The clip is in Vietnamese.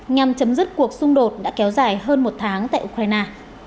nhằm chấm dứt cuộc xung đột đã kéo dài hơn một tháng tại ukraine